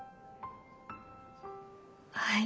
はい。